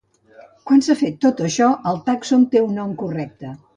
Quan s'ha fet tot això, el tàxon té un nom correcte.